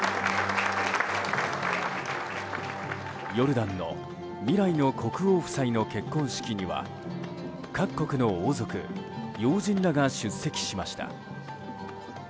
ヨルダンの未来の国王夫妻の結婚式には各国の王族・要人らが出席しました。